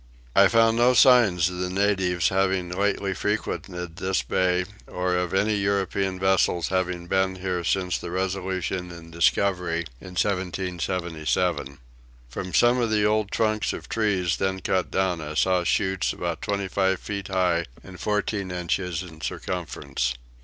I found no signs of the natives having lately frequented this bay or of any European vessels having been here since the Resolution and Discovery in 1777. From some of the old trunks of trees then cut down I saw shoots about twenty five feet high and fourteen inches in circumference.